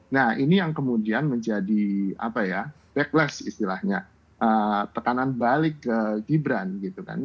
nah ini yang kemudian menjadi apa ya backless istilahnya tekanan balik ke gibran gitu kan